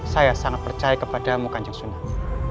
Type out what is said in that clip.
saya sangat percaya kepadamu kan jangsunan